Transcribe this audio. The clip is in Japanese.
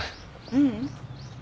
ううん。